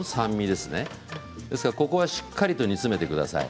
ですから、ここはしっかりと煮詰めてください。